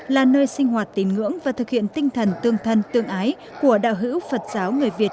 là nơi sinh hoạt tín ngưỡng và thực hiện tinh thần tương thân tương ái của đạo hữu phật giáo người việt